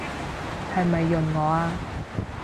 係咪潤我啊？